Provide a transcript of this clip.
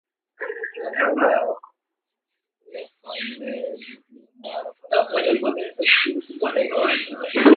Wanyama wafanyiwe vipimo mara kwa mara ili kuwakinga na maradhi